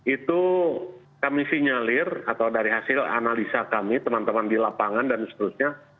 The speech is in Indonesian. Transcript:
itu kami sinyalir atau dari hasil analisa kami teman teman di lapangan dan seterusnya